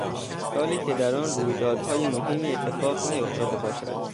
سالی که در آن رویدادهای مهمی اتفاق نیفتاده باشد